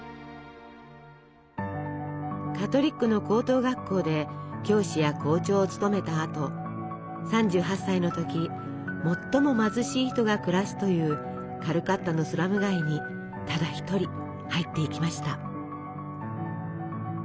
カトリックの高等学校で教師や校長を務めたあと３８歳の時最も貧しい人が暮らすというカルカッタのスラム街にただ１人入っていきました。